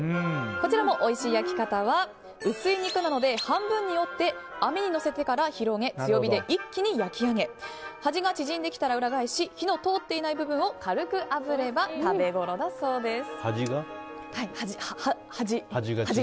こちらもおいしい焼き方は薄い肉なので半分に折って網にのせてから広げ強火で一気に焼き上げ端が縮んできたら裏返し火の通っていない部分を軽く炙れば食べごろだそうです。